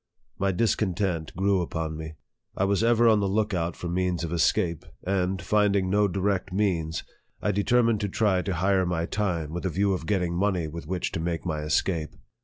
My discon tent grew upon me. I was ever on the look out for means of escape ; and, finding no direct means, I de termined to try to hire my time, with a view of getting money with which to make my escape.